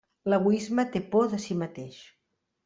L'egoisme té por de si mateix.